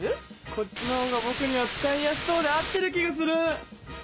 こっちのほうがぼくには使いやすそうで合ってる気がする！